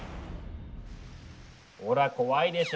ほら怖いでしょ？